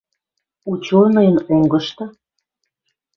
Учёныйын онгышты